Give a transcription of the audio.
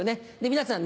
皆さん